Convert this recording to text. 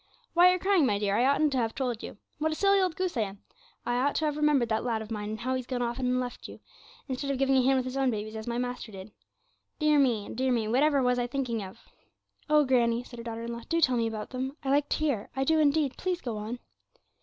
'Why, you're crying, my dear; I oughtn't to have told you. What a silly old goose I am! I ought to have remembered that lad of mine, and how he's gone and left you, instead of giving a hand with his own babies, as my master did. Dear me, dear me, whatever was I thinking of?' 'Oh, granny,' said her daughter in law, 'do tell me about them; I like to hear I do indeed; please go on.'